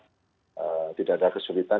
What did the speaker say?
apabila tidak ada kesulitan